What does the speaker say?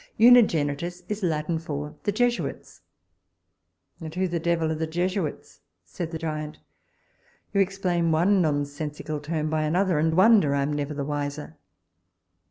Unigenitus is Latin for the Jesuits And who the devil are the Jesuits? said the giant. You explain one nonsensical term by another, and wonder I am never the wiser.